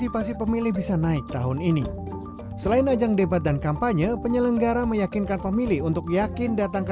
kami akan berkantor di satu ratus lima puluh empat kakak